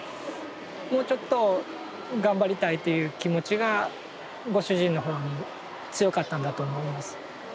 もうちょっと頑張りたいという気持ちがご主人の方にも強かったんだと思います。